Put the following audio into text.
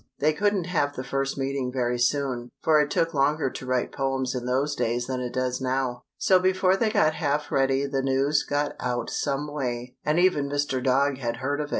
They couldn't have the first meeting very soon, for it took longer to write poems in those days than it does now, so before they got half ready the news got out some way, and even Mr. Dog had heard of it.